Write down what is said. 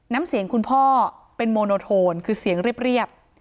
น้ำเสียงคุณพ่อเป็นโมโนโทนคือเสียงเรียบ